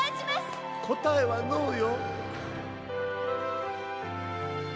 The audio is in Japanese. こたえはノーよ。